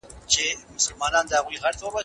ولي بې حده هڅه د هر ډول مهارت نیمګړتیا پوره کوي؟